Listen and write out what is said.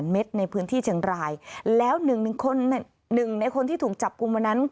เม็ดในพื้นที่เชียงรายแล้ว๑ในคนที่ถูกจับกลุ่มวันนั้น